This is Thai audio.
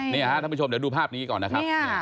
นี่ครับท่านผู้ชมเดี๋ยวดูภาพนี้ก่อนนะครับ